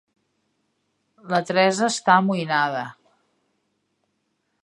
La Teresa està amoïnada.